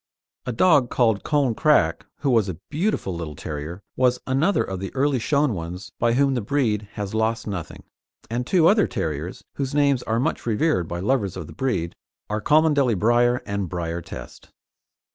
A dog called Colne Crack, who was a beautiful little terrier was another of the early shown ones by whom the breed has lost nothing, and two other terriers whose names are much revered by lovers of the breed are Cholmondeley Briar and Briar Test.